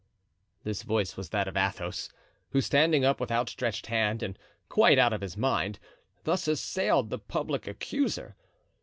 This voice was that of Athos, who, standing up with outstretched hand and quite out of his mind, thus assailed the public accuser.